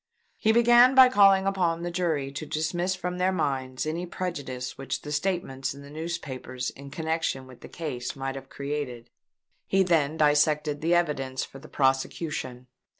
He began by calling upon the jury to dismiss from their minds any prejudice which the statements in the newspapers in connexion with the case might have created. He then dissected the evidence for the prosecution.